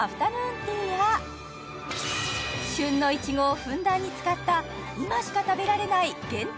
ティーや旬のいちごをふんだんに使った今しか食べられない限定